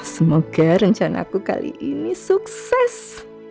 semoga rencana aku kali ini sukses